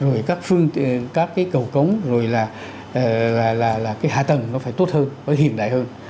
rồi các phương tiện các cái cầu cống rồi là cái hạ tầng nó phải tốt hơn nó hiện đại hơn